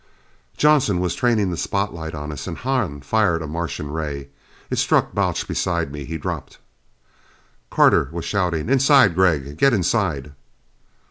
Johnson was training the spotlight on us. And Hahn fired a Martian ray. It struck Balch beside me. He dropped. Carter was shouting, "Inside Gregg! Get inside!"